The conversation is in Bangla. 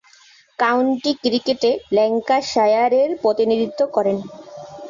কাউন্টি ক্রিকেটে ল্যাঙ্কাশায়ারের প্রতিনিধিত্ব করেন।